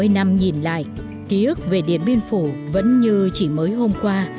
bảy mươi năm nhìn lại ký ức về điện biên phủ vẫn như chỉ mới hôm qua